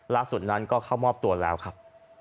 ล่าสุดนั้นก็เข้ามอบตัวแล้วครับ